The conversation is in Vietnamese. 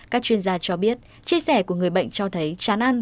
các chuyên gia cho biết chia sẻ của người bệnh cho thấy chán ăn